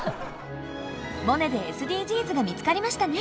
「モネ」でＳＤＧｓが見つかりましたね！